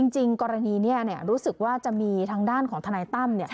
จริงกรณีนี้รู้สึกว่าจะมีทางด้านของทนายตั้ม